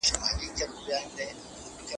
د ميني دا احساس دي په زړګــي كي پاتـه سـوى